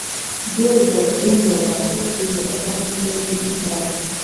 دوی به دومره واهه چې له بدن به یې وینې راغلې